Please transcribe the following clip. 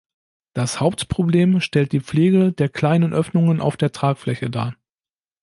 Das Hauptproblem stellt die Pflege der kleinen Öffnungen auf der Tragfläche dar.